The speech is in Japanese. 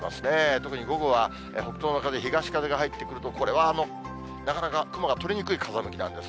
特に午後は北東の風、東風が入ってくると、これはなかなか雲が取れにくい風向きなんです。